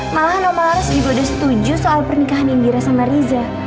malahan omah laras juga udah setuju soal pernikahan indira sama riza